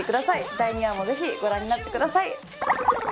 第２話もぜひご覧になってください。